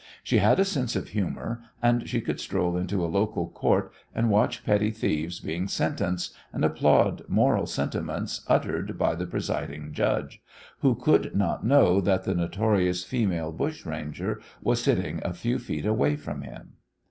She had a sense of humour, and she could stroll into a local Court and watch petty thieves being sentenced, and applaud moral sentiments uttered by the presiding judge, who could not know that the notorious female bushranger was sitting a few feet away from him!